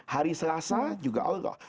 hari selasa juga allah